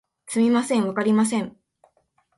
すみません、わかりません